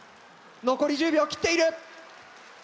残り１０秒を切っている。